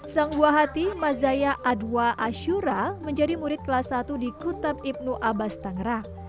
sang buah hati mazaya adwa ashura menjadi murid kelas satu di kutab ibnu abbas tangerang